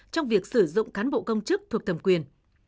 trong việc sử dụng cán bộ công chức thuộc thẩm quyền